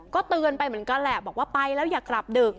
ก็เตือนไปเหมือนกันแหละบอกว่าไปแล้วอย่ากลับดึก